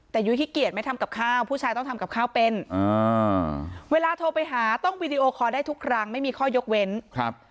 แต่ยุ้ยขี้เกียจไม่ทำกับข้าวผู้ชายต้องทำกับข้าวเป็นอ่าเวลาโทรไปหาต้องวีดีโอคอร์ได้ทุกครั้งไม่มีข้อยกเว้นครับ